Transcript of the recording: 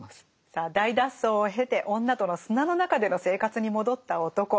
さあ大脱走を経て女との砂の中での生活に戻った男。